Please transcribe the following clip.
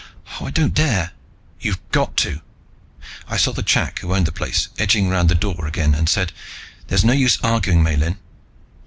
Oh, I don't dare!" "You've got to." I saw the chak who owned the place edging round the door again and said, "There's no use arguing, Miellyn."